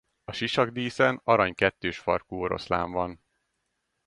A sisakdíszen arany kettős farkú oroszlán van.